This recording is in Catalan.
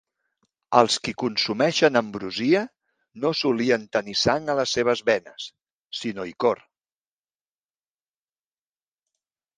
Els qui consumeixen ambrosia, no solien tenir sang a les seves venes, sinó icor.